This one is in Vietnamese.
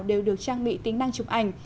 đều được trang bị tính năng chụp ảnh